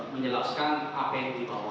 menjelaskan apa yang dibawa